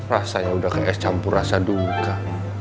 rasanya udah kayak campur rasa duka